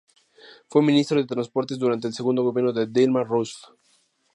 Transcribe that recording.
Fue ministro de Transportes durante el segundo Gobierno de Dilma Rousseff.